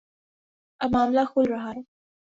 اب معاملہ کھل رہا ہے۔